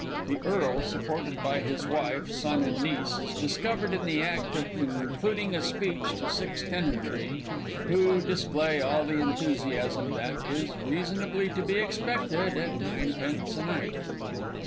the Earl, supported by his wife, son, and niece, is discovered in the act of concluding a speech to six tenantry, who display all the enthusiasm that is reasonably to be expected at nine pence a night.